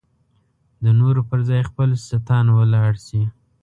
د نورو پر ځای خپل ستان ته ولاړ شي.